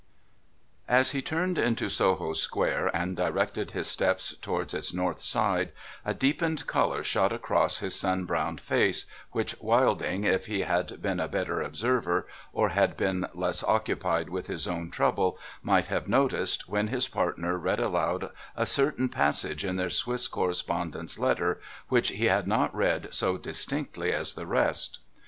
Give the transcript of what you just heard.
As he turned into Soho square, and directed his steps towards its north side, a deepened colour shot across his sun browned face, which Wilding, if he had been a better observer, or had been less occupied with his own trouble, might have noticed when his partner read aloud a certain passage in their Swiss correspondent's letter, which he had not read so distinctly as the rest.